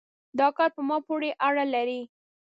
دا کار په ما پورې اړه لري